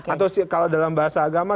atau kalau dalam bahasa agama